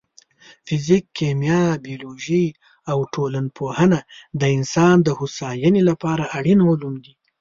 فزیک، کیمیا، بیولوژي او ټولنپوهنه د انسان د هوساینې لپاره اړین علوم دي.